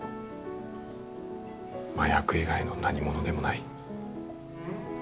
麻薬以外の何ものでもない。